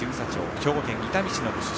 兵庫県伊丹市のご出身。